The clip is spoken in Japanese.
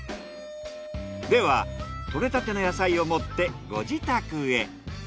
では獲れたての野菜を持ってご自宅へ。